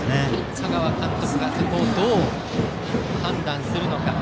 香川監督がそこをどう判断するのか。